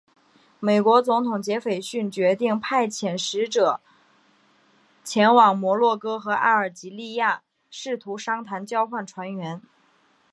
美国总统杰斐逊决定派遣使者前往摩洛哥和阿尔及利亚试图商谈交换船员。